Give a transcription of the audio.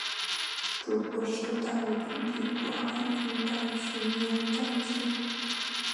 筑波是大日本帝国海军的巡洋战舰。